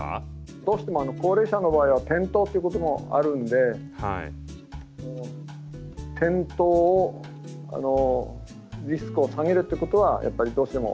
どうしても高齢者の場合は転倒っていうこともあるんで転倒をリスクを下げるっていうことはやっぱりどうしても。